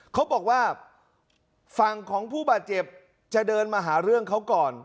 เขาบอกว่าฝั่งของผู้บาดเจ็บจะเดินมาหาเรื่องเขาก่อน